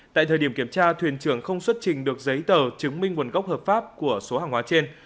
tại thời điểm kiểm tra thuyền trưởng không xuất trình được giấy tờ chứng minh nguồn gốc hợp pháp của số hàng hóa trên